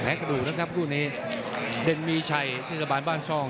กระดูกนะครับคู่นี้เด่นมีชัยเทศบาลบ้านซ่อง